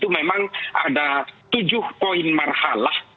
memang ada tujuh poin marhalah